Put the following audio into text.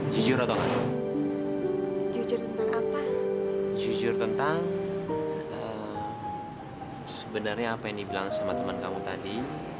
jujur tentang sebenarnya apa yang dibilang sama teman kamu tadi